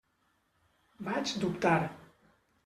Vaig dubtar.